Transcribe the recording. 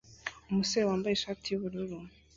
Umusore wambaye ishati yubururu